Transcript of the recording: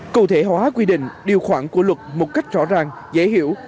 cụ thể hóa quy định điều khoản của luật một cách rõ ràng dễ hiểu